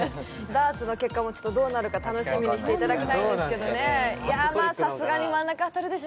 ダーツの結果もどうなるか注目していただきたいんですが。